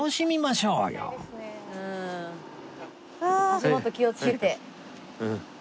足元気をつけて。